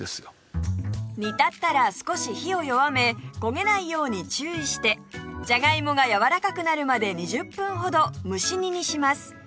煮立ったら少し火を弱め焦げないように注意してじゃがいもがやわらかくなるまで２０分ほど蒸し煮にします